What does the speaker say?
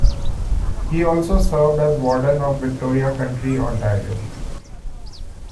He also served as Warden of Victoria County, Ontario.